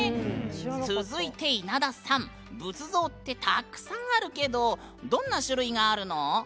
続いて稲田さん仏像ってたくさんあるけどどんな種類があるの？